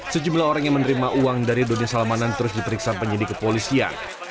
sejumlah orang yang menerima uang dari doni salmanan terus diperiksa penyidik kepolisian